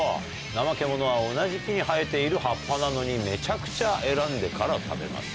ナマケモノは同じ木に生えている葉っぱなのに、めちゃくちゃ選んでから食べます。